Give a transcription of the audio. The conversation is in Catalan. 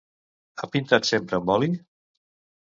Ha pintat sempre amb oli?